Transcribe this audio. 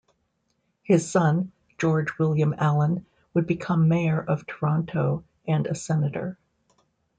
His son, George William Allan, would become mayor of Toronto and a senator.